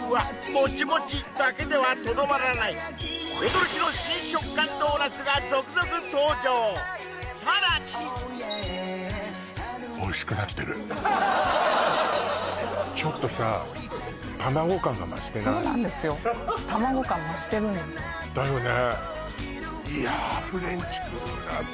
モチモチだけではとどまらない驚きの新食感ドーナツが続々登場さらにちょっとさそうなんですよだよね？